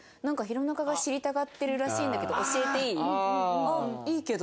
「なんか弘中が知りたがってるらしいんだけど教えていい？」